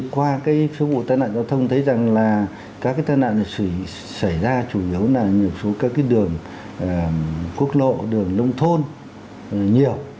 qua cái số bộ tai nạn giao thông thấy rằng là các cái tai nạn này xảy ra chủ yếu là nhiều số các cái đường quốc lộ đường nông thôn nhiều